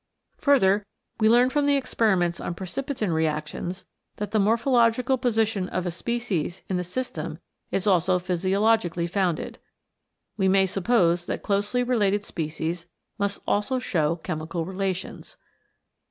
Further, we learn from the experiments on precipitin reactions that the morphological position of a species in the system is also physiologically founded. We may suppose that closely related species must also show chemical relations.